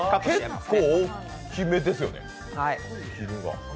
結構大きめですよね。